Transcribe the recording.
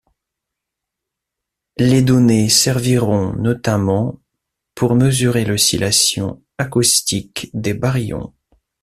Les données serviront notamment pour mesurer l'oscillations acoustiques des baryons.